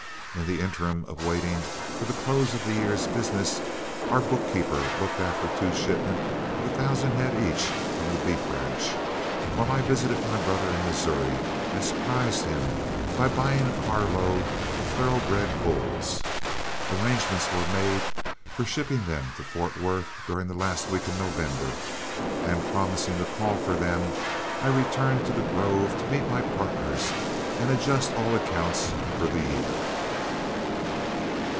In the interim of waiting for the close of the year's business, our bookkeeper looked after two shipments of a thousand head each from the beef ranch, while I visited my brother in Missouri and surprised him by buying a carload of thoroughbred bulls. Arrangements were made for shipping them to Fort Worth during the last week in November, and promising to call for them, I returned to The Grove to meet my partners and adjust all accounts for the year.